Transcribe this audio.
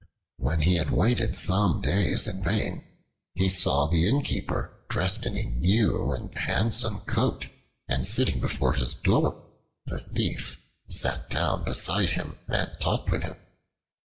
When he had waited some days in vain, he saw the Innkeeper dressed in a new and handsome coat and sitting before his door. The Thief sat down beside him and talked with him.